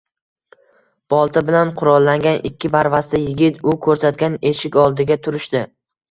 Bolta bilan qurollangan ikki barvasta yigit u ko`rsatgan eshik oldiga turishdi